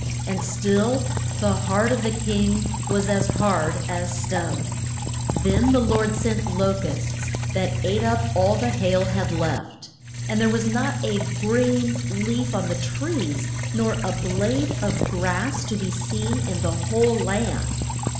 And still the heart of the king was as hard as stone. Then the Lord sent lo custs, that ate up all the hail had left, and there was not a green leaf on the trees nor a blade of grass to be seen in the whole land.